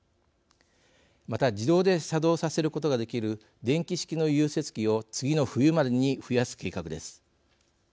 また自動で作動させることができる電気式の融雪器を次の冬までに増やす計画です。